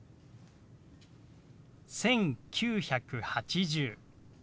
「１９８０」。